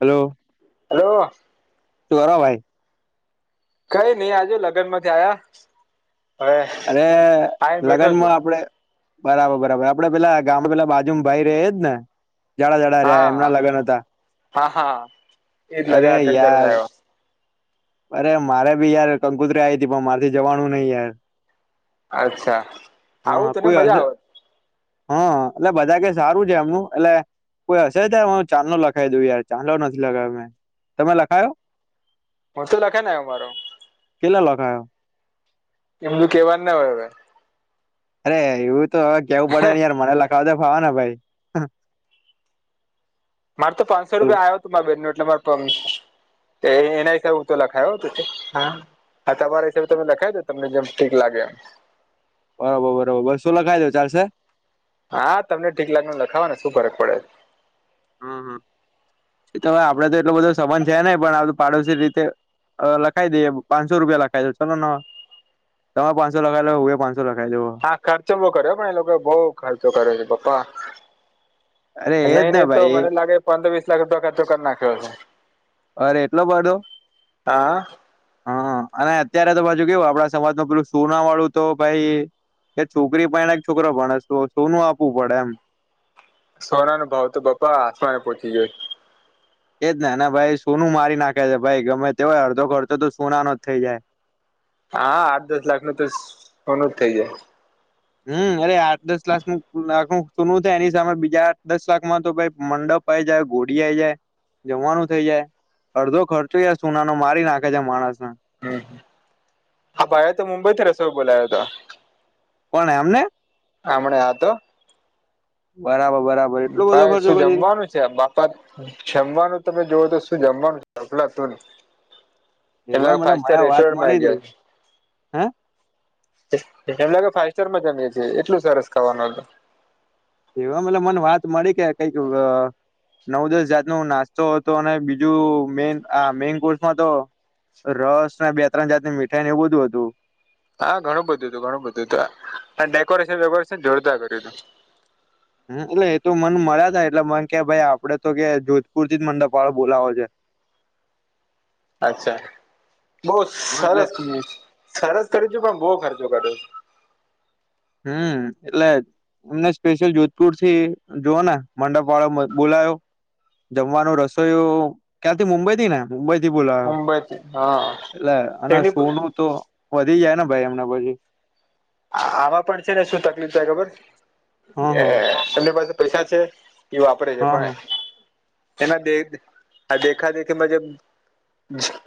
Hello. Hello. તોવોરા વાય. કઈ ની આ જો લગ્નમાંથી આયા. હવે અરે આવીને બેઠો છું લગ્નમાં આપડે બરાબર, બરાબર આપળે પેલા ગામ પેલા બાજુમાં ભાઈ રેય એજ ને? જાડા-જાડા ર્યા હા એમના હતા, હા હા એજ લગન અરે અટેન્ડ કરીને યાર. આવ્યો અરે મારે બી યાર કંકુત્રી આઈ તી, પણ મારથી જવાણુ નય યાર. અચ્છા, આવુંતને મજા આવત. હ, એટલે બધા કે સારું છે એમનું એટલે. કોઈ હશે ત્યા માર ચાંદલો લખાય દેવ યાર, ચાંદલો નથી લખાવ્યો મેં તમે લખાયો. પરથુ લખે ને અમારો. કેટલા લખાયો? એમધું કેવાન ના હોય અવે. અરે, એવું તો અવે કેવું પડે ને યાર, મને લખાવતા ફાવે ને ભાઈ. માર તો પાનસો રૂપિયા આયો તો માર બેન નું એટલે માર પાન તે એ એના હિસાબે હું તો લખાયો, [unintelligible] હા. હા, તમારા હિસાબે તમે લખાઈ દો, તમને જેમ ઠીક લાગે એમ. બરોબર, બરોબર બશો લખાઈ દવ ચાલશે? હા, તમને ઠીક લાગ એમ લખાવાન શું ફરક પડે. હમ -હમ ઈ તો અવે આપળે તો એટલો બધો સંબંધ છે નય, પણ આ બધું પાડોશી રીતે અ લખાઈ દિએ પાંસો રૂપિયા લખાઈ દો ચાલોન. તમા પાંસો લખાવો એટલે હું એ પાંસો લખાઈ દો અવે. આ ખર્ચો બો કર્યો પણ એ લોકો બો ખર્ચો કર્યો છે પપ્પા. અરે નય એજ ને -નય તો ભાઈ મને એ લાગે પંદર વીસ લાખ રૂપિયા ખર્ચો કર નાખ્યો હશે. [unintelligible] અરે, એટલો બધો? હા, અને અત્યારે તો પાછુ કેવું આપળા સમાજ મા પેલું સોના વાળું તો ભાઈ એ છોકરી પરણે એક છોકરો ભણે સોનું આપવું પડે એમ. સોના નો ભાવ તો પપ્પા આસમાને પહોંચી ગયો છે. એજ ને ને ભાઈ સોનું મારી નાખે છે ભાઈ ગમે તેવાય અડધો ખરચો તો સોના નો જ થઇ જાય. હા, આઠ દસ લાખ નું તો સોનું જ થઇ જાય. હમ, અરે દસ ક્લાસ નું લ [unintelligible] તો નું થાય એની સામે દસ લાકમાં તો ભાઈ મંડપ આય જાય ઘોડી આઈ જાય. જમવાનું થઇ જાય, અડધો ખર્ચો યાર સોનાનો મારી નાખે છે માણસને. હમ હ, આ ભાયે તો મુંબઈથી રસોઇઓ બોલાયો તો. કોણ એમને? હમણે આ તો બરાબર- બરાબર એટલો બધો ભાઈ ખર્ચો શું કરી દીધો. [unintelligible] બાપા જમવાનું તો તમે જોવો તો શું જમવાનું અફલાતૂન. એવા એના મને ફાઈવ સ્ટાર મને વાત રેસ્ટોરન્ટમાં મળી આવી ગયા હતી છે. હે એવું લાગે ફાઇસટાર માં જમીએ છીએ એટલું સારું ખાવાનું હતું એવા મતલ મને વાત મળી કે કઈક નવ દસ જાત ન નાસ્તો હતો અને બીજું મેન આ મેન કોર્સમાં તો રસ ને બે ત્રણ જાતની મીઠાઈ ને એવું બધું હતું હા ઘણું બધું હતું ઘણું બધું હતું ડેકોરેશન વેકોરેશન જોડતા કર્યું હતું હમ એટલે એ તો મને મળ્યા થાય એટલે મ કે ભાઈ આપડે તો કે જોધપુર થી જ મંડપ વાળો બોલાવો છે [inaudible] અચ્છા [unintelligible] બહું હા એટલે સરસ સરસ કરીતુ પણ બહુ ખર્ચો કર્યો હમ એટલે જ એમને સ્પેશિયલ જોધપુર થી જોઓ ને મંડપ વાળો બોલાયો જમવાનું રસોઈ ક્યાંથી મુંબઈ થી ને મુંબઈથી બોલા્યો મુંબઈથી હા [unintelligible] એટલે અનેના એની સોનું તો વધી જાય ને ભાઈ એમને પછી આમાં પણ છે ને શું થાય તકલીફ થાય ખબર હા હા એમની પાસે પૈસા છે એ વાપરે છે [unintelligible] હા પણ હા એના દે દેખા દેખીમાં જે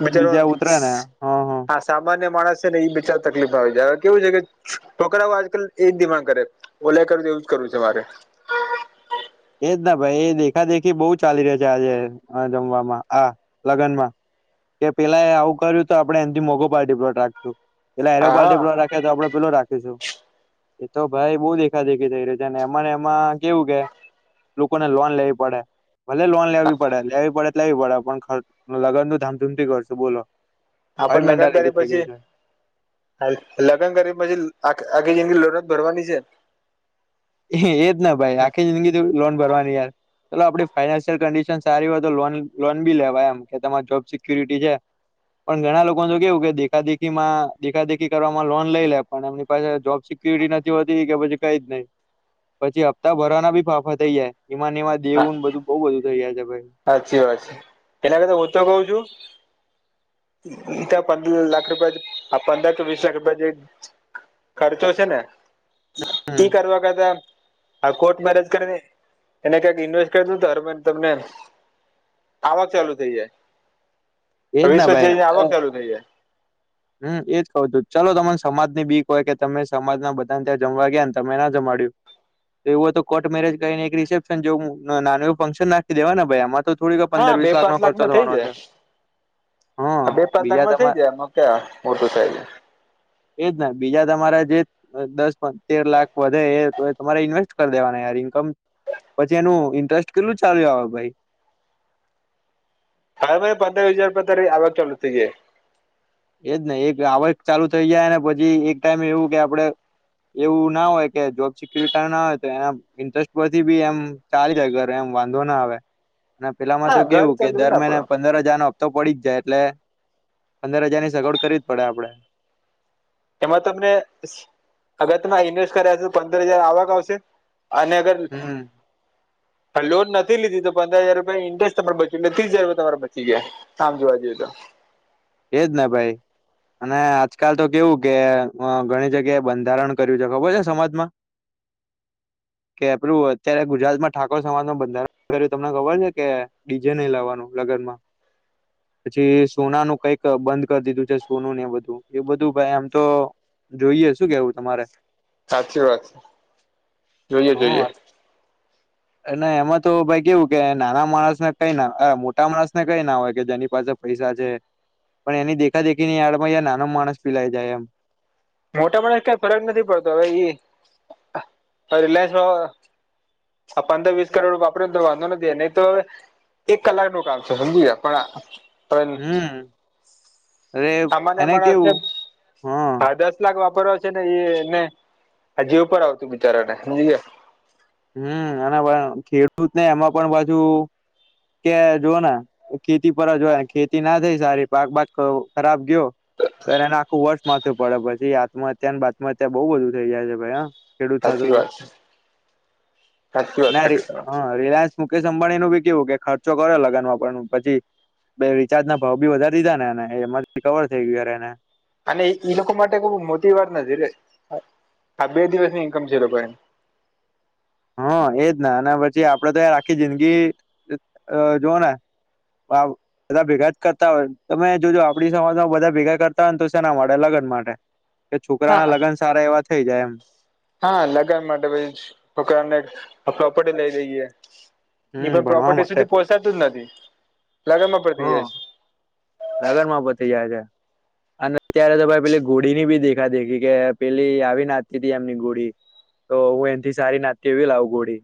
બીચારો [unintelligible] બીજા ઉતરે ને હા સામાન્ય માણસ છે ને એઈ તકલીફ આવી જાય હવે કેવું છે કે છોકરાઑ આવું આજકાલ એજ ડિમાન્ડકરે ઓલે કર એવું જ કરવું છે મારે એજ ના ભાઈ એ દેખા દેખી બહુ ચાલી ર છે આજે જમવામાં આ લગ્નમાં કે પેલા આવું કર્યું તો આપણે એથી મોઘો પાર્ટી પ્લોટ રાખશું આર્ય પાર્ટી હા પ્લોટ આપડે પેલો રાખીશું એ તો ભાઈ બઉુ દેખા દેખી થઈ રહી છે એમાને એમાં કેવું કે લોકોને લોન લેવી પડે ભલે લોન લેવી પડે લેવી પડે લેવી પડે લગન નું ધામધૂમથી કરશું બોલો આવી આપણે લગ્ન કરીએ મેન્ટાલિટી થઈ ગઈ પછી છે લગ્ન કરી પછી આખી જિંદગી લડત ભરવાની છે એજ ના ભાઈ આખી જિંદગી ત લોન ભરવાની યાર ચાલલો આપડી ફાઈનાન્શિયલ કન્ડિશન સારી હોય તો લો લોન બી લેવાય એમ કે તમારી જોબ સિક્યુરિટી છે પણ ઘણા લોકો કેવું કે દેખા દેખીમાં દેખા દેખી કરવાવામાં લોન લઈ લે પણ એમની પાસે જોબ કેડી નથી હોતી કેયા પછી કઈ જ ન પછી હપ્તા ભરવાના બી ફાફા થઈ જાય ઇમાન માં હા દેવું બધું બઉુ બધું થઇ જાય છે ભાઈ સાચી વાત છે કર હું કઉ છું તો પંદર લાખ રૂપિયા પંદર કે વીસ લાખ રૂપિયા જે ખર્ચો છે ને હમ ઈ કરવા કરતા આ કોર્ટ મેરેજ કરીને એને ક્યાંક ઇન્વેસ્ટ કરી દ હરમેન તમને આવક ચાલુ થઇ ની એજ ને વીસ ભાઈ હજાર આવક ચાલુ થઈ જાય. હમ એજ કઉું તું ચાલો તમને સમાજની બીક હોય કે તમે સમાજ ના બધાને ત્યાં જમવા ગયા ને તમે ના જમાડય્યું તો એવું તો કોર્ટ મેરેજ કને રિસેપશન જે એ ફંક્શન નાખી દેવા ને ભાઈ આમાં તો થોડીક પંદર હા બે વીસ લાખનો પાંચ ખર્ચો લાખમાં થઈ થવાનો જાય છે હ બીજા તમારે ક્યા ઉર્દું સાહેબ એજ ના બીજા તમારા જે દસ પંદર તેર લાખ વધે એ તો તમારે ઇન્વેસ્ટ કરી દેવાના યાર ઇન્કમ પછી એનું ઇન્ટરેસ્ટ કેટલું ચાલુ આવે ભાઈ હા ભાઈ પંદરવીસ હજાર રૂપિયા તારી આવક ચાલુ થઈ જાય એજ ને એક આવક ચાલુ થઇ જાય ને પછી એક ટાઈમ એવું કે આપડે એવું ના હોય કે જોબ સિક્યુરિટ ના હોય તો એના ઇન્ટરેસ્ટ પરથી બી ચાલી જ ઘરે વાંધો ના આવે અને પેલામાં તો હા ઘર કેવું કે ચાલુ દર ને મહિને આપડો પંદર હજારનો હપ્તો પડી જ જાય એટલે પંદર જારની સગવડ કરવી જ પડે આપડે તેમાં તમને અગર તમે ઇન્વેસ્ટ કર્યા છે, તો પંદર હજાર આવક આવશે અને અગર [inaudible] હમ લોન નથી લીધી તો પંદર હજાર રૂપિયા ઇન્ટરેસ્ટ તમારે બચીને ત્રીસજ રૂપિયા તમારા બચી ગયા આમ જોવા જઈએ તો એ જે ને ભાઈ અને આજકાલ તો કેવું કે અ ઘણી જગ્યાએ બંધારણ કર્યું છે, ખબર છે, સમાજમાં [inaudible] કે [unintelligible] અત્યારે ગુજરાતમાં ઠાકોર સમાજનું બંધારણ કર્યું તમને ખબર શે કે? ડીજે નહી લાવવાનું લગનમાં પછી સોનાનું કઈક ક બંધ કરી દીધું છે, સોનું ને એ બધું એ બધું ભાઈ એમ તો જોઈએ શું કેવું તમારે? સાચી વાત છે, જોઈએ જોઈએ હા અને એમાં તો ભાઈ કેવુ કે નાના માણસને કઈ ના અ મોટા માણસ ને કઈ ના હોય કે જેની પાસે પૈસા છે. પણ એની દેખા દેખી યારડમાં યાર નાનો માણસ પીલાઈ જાય એમ મોટા પણે કઈ ફરક નથી પડતો હવે ઈ રિલાયન્સ આ પંદર વીસ કરોડ વાપરે ને તો વાંધો નથી નહી તો હવે એક કલાકનુ કામ છે, હમજી ગયા પણ આ પણ હમ અરે સામાન્ય એને માણસને કેવું હા હાદસ [unintelligible] વાપરવા છે, ને જીવ પર આવતું બિચારાને હમજી ગયા હમ અને પણ ખેડૂતને એમાં પણ પાછુ કે જોઓને ખેતી પર જ હોય ખેતી ના થાય સારી પાક બાક ખરાબ ગયો તો એને આખું વર્ષ માથે પડે પછી આત્મહત્યાની બાતમહત્યા બો બધું થઇ જાય છે, ભાઈ હા ખેડૂત સાથે હાચી તો વાત છે. સાચી વાત ના કરી રી તમે હ રીલાયન્સ મુકેશ અંબાણીનું બી કેવું કે ખર્ચો કરો લગ્નમાં પણ પછી બે રિચાર્જના ભાવ બી વધારી દીધા ને એને એમાં રીકવર થઈ ગયો યાર એને અને ઈ ઈ લોકો માટે મોટી વાત નથી આ બે દિવસની ઇન્કમ છે, એ લોકોને હ એજ ને અને પછી આપડે તો યાર આખી જિંદગી જોવને વાવ બધા ભેગા જ કરતા હોય તમે જોજો આપડી સમાજમાં બધા ભેગા કરતા હોય ને તો સેના માટેે લગ્ન માટે કે છોકરાના હા લગ્ન સારા એવા થઈ જાય એમ હા લગન માટે ભય છોકરાને પ્રોપર્ટી લઈ દઈએ એ હમ પણ ભણવા પ્રોપર્ટી માટે સુધી પોહસાતું જ નથી લગનમાં પડતી જાય છે. લગણમાં પથી જાય છે. અને અત્યારે તો ભાઈ પેલી ઘોડી ની બી દેખા દેખી કે પેલી આવી નાચતી તી એમની ઘોડી તો હું એથી સારી નાતી એવી લાવ ઘોડી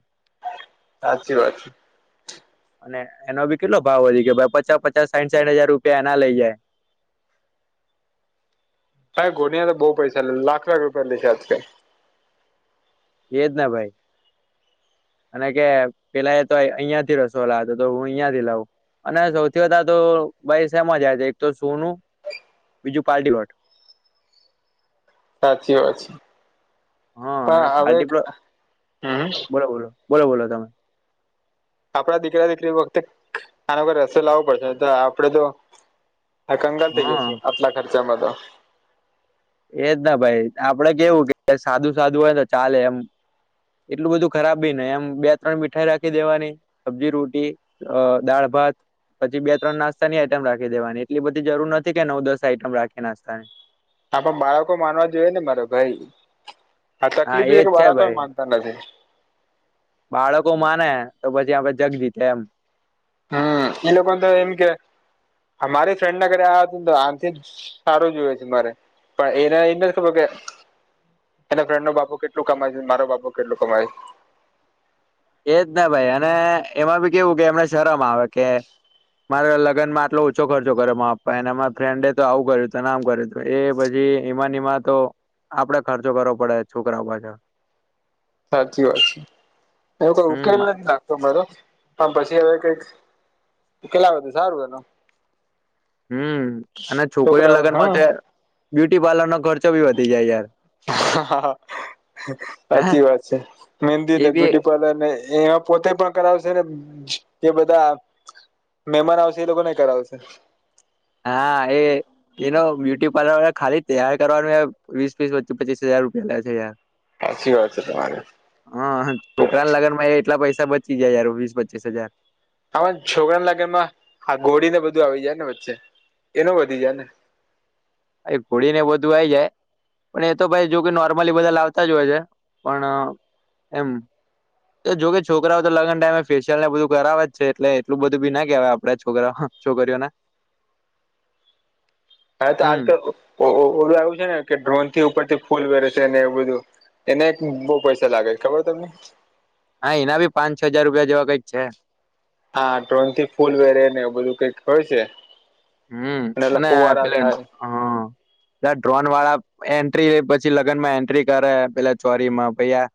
હાચી વાત છે. અને એનો ભી કેટલો ભાવ વધી કભાઈ પચાસ પચાસ સાઈઠ સાઠ હજાર રૂપિયા એના લઈ જાય હા ઘોડિયા તો બો પૈસા લે લાખ લાખ રૂપિયા [unintelligible] એજ ને ભાઈ અને કે પેલા એ તો અહિયાં થી રસોલા હતો તો હું અહિયા થી લાઉ અને સૌથી બધા તો ભાઈ સેમા જાય છે, એક તો સોનું બીજું પાર્ટવટ સાચી વા છે. હા પણ હવે, હમ્મ. બરાબોર. બોલો બોલો તમે. આપડા દીકરા દીકરી વખતે આનો રસ્તો લાવવો પડશે આપડે તો આ કંગાલ થઈ હા જશે, આટલા ખર્ચમાં તો. એજ ના ભાઈ આપડે કેવું કે સાદું સાદું હોય તો ચાલે એમ. એટલું બધું ખરાબ બી ને એમ બે ત્રણ મીઠાઈ રાખી દેવાની સબ્જી, રોટી. અ દાળ, ભાત પછી બે ત્રણ નાસ્તાની આઈટમ રાખી દેવાની એટલી બધી જરૂર નથી કે નવ દસ આઈટમ રાખી નાસ્તા ને. હા પણ બાળકો માનવા જોઈએ ને મારે ભાઈ. આ હા તકલીફ છે એજ કે બાળકો ભાઈ માનતા નથી. બાળકો માને તો પછી આપડે જગ જીતે એમ. હમ્મ, એઈ લોકો તો એમ કે અમારી ફ્રેન્ડ ના ઘરે આને આથી સારું જોવે છે મારે પણ એને [unintelligible] એના ફ્રેડ નો બાપો કેટલું કમાય છે ન મારો બાપો કેટલું કમાય છે. એજ ને ભાઈ અને એમાં ભી કેવું કે એમને શરમ આવે કે મારા લગ્નમાં આટલો ઓછો ખર્ચો કરે માર પપા એ અને મારા ફ્રેન્ડે તો આવું કર્યું હતું અને આમ કર્યું હતું. એ પછી એમાન એમાં તો આપડે ખર્ચો કરવો પડે છોકરાઓ પાછળ. સાચી વાત છે, એવ કોઈ ઉકેલ હમ નથી લ તોરો પણ પછી હવે કઈક કેટલા વધુ સારું એનું. હમ્મ અને છોકરીઓને છોકરાઓ લગ્નમાં તો બ્યુટી પાર્લરનો ખર્ચો ભી વધી જાય યાર. હા હે સાચી વાત છે, મેહેંદી ને એ બી બ્યુટી પાર્લર ને એમાં પોતે પણ કરાવશે ને બીજા બધા મહેમાન આવશે એ લોકો નેય કરાવશે. હા એ એનો બ્યુટી પ્લર ખાલી તૈયાર કરવાનું વીસ, પીસ, પચીસ હજાર રૂપિયા લે છે યાર. સાચી વાત છે તમારે હ છોકરાને લગનમાં એટલા પૈસા બ બીજા યાર વીસ પચીસ હજાર. આ છોકરા લાગનમાં ગોળી ને બધું આવી જાય ને વચ્ચે એનું વધી જાય ને. એ ઘોડી ને બધું આઈ જાય. પણ એ તો ભાઈ જો કે નોર્મલી બધા લાવતા જ હોય છે પણ એમ. એ જોકે છોકરાઓ તો લગન ટાઈમે ફેશસિયલ ને બધું કરાવે જ છે એટલે એટલું બધું બી ના કેહેવાય આપડા છોકરા. છોકરીઓને હ હા તો હમ આજકાલ ઓ આવું છે ને કે ડ્રોન થી ઉપરથી ફૂલ વેરે છે ને એવું બધું. એને બહુ પૈસા લાગે છે ખબર તમને? હા એના ભી પાચ છ હજાર રૂપિયા જેવા કઈક છે. હા ટ્રોન થી ફૂલ વેરે ને એ બધું કઈક હોય છે. હમ્મ એટલે અને ફુવારા પેલા થાય હ પેલા ડ્રોન વાળા એન્ટ્રી લ પછી લગ્નમાં એન્ટ્રી કરે પેલા ચોરીમાં પૈયા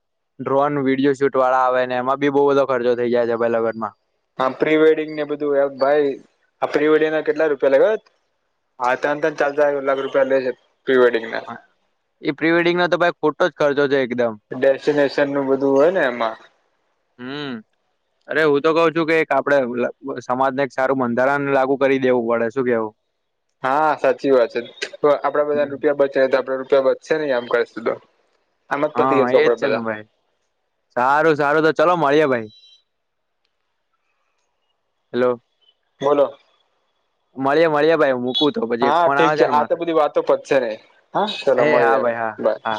ડ્રોન વિડીયો શૂટ વાળા આવે એમાં બી બવ બધો ખર્ચો થઈ જાય છે ભાઈલગન માં. આમ પ્રી વેડિંગ ને બધું ભાઈ આ પ્રી વેડિંગ ના કેટલા રૂપિયા લે ખ હા ત અ ચાલ એકખ રૂપિયા લશે પ્રી વેડિંગ ના. એ પ્રીવેડિંગ નો તો ભાઈ ખોટો જ ખર્ચો છે એકદમ. ડેસ્ટિનેશન નું બધું હોય ને એમાં. હમ [inaudible] અરે હું તો કઉ છું કે એક આપડે સમાજને એક સારું બંધારણ લાગુ કરી દેવું પડે શું કેવું હા સાચી વાત છે તો આપડે બધા હમ રૂપિયા બચે તો આપડે રૂપિયા બ ચશે નઈ આમ કરે તો આમ જ પતી હા [unintelligible] એજ છે આપડે તો ને ભાઈ સારું સારું તો ચાલો મળીએ ભાઈ હેલો બોલો મળએે મળીએ ભાઈ [unintelligible] કુ તો પછી એક હા ફોન ઠીક આવે છે ને આ તો અમણા બધી વાતો પતશે નહી હા ચલો એ હા મળીએ ભાઈ હા બાય હા